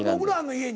家に。